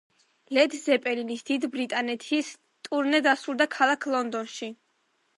ლედ ზეპელინის დიდი ბრიტანეთის ტურნე დასრულდა ქალაქ ლონდონში.